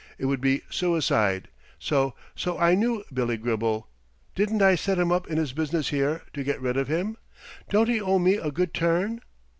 It would be suicide! So so I knew Billy Gribble. Didn't I set him up in business here, to get rid of him? Don't he owe me a good turn?"